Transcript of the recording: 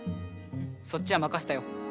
そっちはまかせたよ。